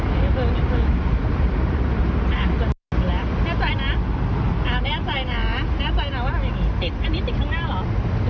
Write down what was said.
เมื่อกี้แลนด์มันอยู่ตรงเราแล้วเมื่อกี้แลนด์มันอยู่ตรงเรา